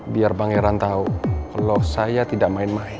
biar pangeran tahu kalau saya tidak main main